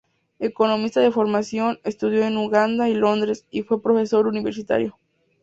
Economista de formación, estudió en Uganda y Londres, y fue profesor universitario.